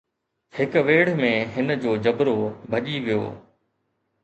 هڪ ويڙهه ۾ هن جو جبرو ڀڄي ويو.